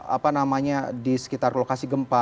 apa namanya di sekitar lokasi gempa